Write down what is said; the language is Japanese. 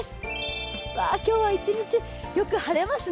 今日は一日よく晴れますね。